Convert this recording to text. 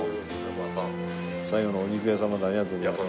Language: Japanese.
最後のお肉屋さんまでありがとうございます。